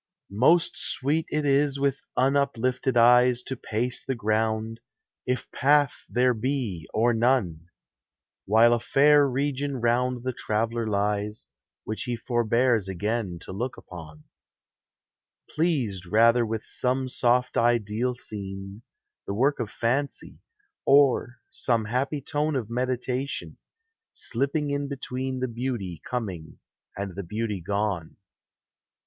Most sweet it is with unuplifted eyes To pace the ground, if path there be or none, While a fair region round the traveller lies Which he forfaears again to look upon ; Pleased rather with some soft ideal scene, The work of fancy, or some happy tone Of meditation, slipping in between The beauty coming and the beauty gone.